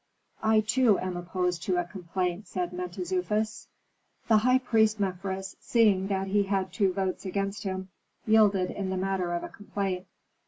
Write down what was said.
"I too am opposed to a complaint," said Mentezufis. The high priest, Mefres, seeing that he had two votes against him, yielded in the matter of a complaint.